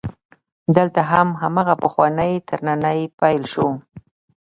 دلته هم هماغه پخوانی ترننی پیل شو.